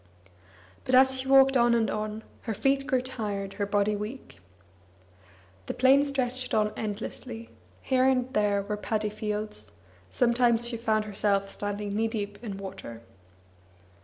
But as she walked on and on, her feet grew tired, her body weak. The plain stretched on endlessly; here and there were paddy fields; sometimes she found herself standing knee deep in water.